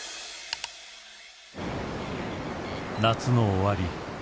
夏の終わり。